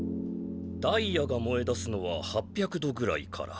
ダイヤがもえだすのは８００度ぐらいから。